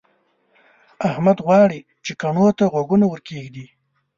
احمد غواړي چې کڼو ته غوږونه ورکېږدي.